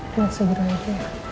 jangan segera aja ya